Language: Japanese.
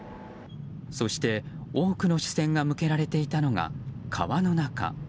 そして、多くの視線が向けられていたのが川の中。